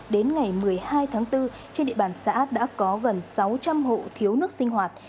đến ngày một mươi hai tháng bốn trên địa bàn xã đã có gần sáu trăm linh hộ thiếu nước sinh hoạt